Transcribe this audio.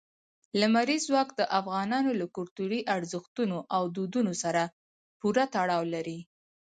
لمریز ځواک د افغانانو له کلتوري ارزښتونو او دودونو سره پوره تړاو لري.